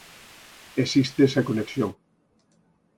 Existe esa conexión.